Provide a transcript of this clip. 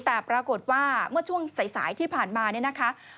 แต่ปรากฏว่าเมื่อช่วงสายที่ผ่านมาเนี่ยนะคะ